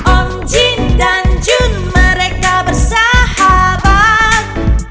omjin dan jun mereka bersahabat